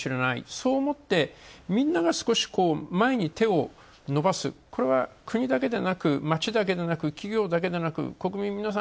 そう思って、みんなが少し前に手を伸ばせば、これは国だけでなく、街だけでなく、企業だけでなく国民皆さん